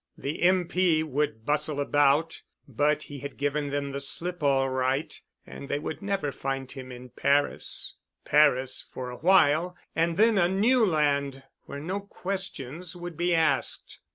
The M.P. would bustle about but he had given them the slip all right and they would never find him in Paris. Paris for awhile and then a new land where no questions would be asked.